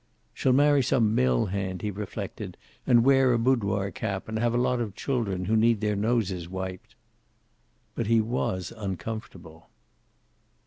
"She'll marry some mill hand," he reflected, "and wear a boudoir cap, and have a lot of children who need their noses wiped." But he was uncomfortable.